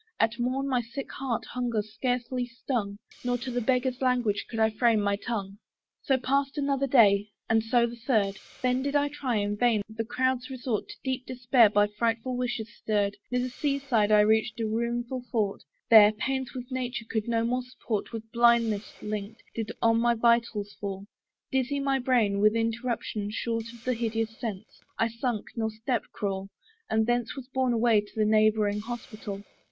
At morn my sick heart hunger scarcely stung, Nor to the beggar's language could I frame my tongue. So passed another day, and so the third: Then did I try, in vain, the crowd's resort, In deep despair by frightful wishes stirr'd, Near the sea side I reached a ruined fort: There, pains which nature could no more support, With blindness linked, did on my vitals fall; Dizzy my brain, with interruption short Of hideous sense; I sunk, nor step could crawl, And thence was borne away to neighbouring hospital.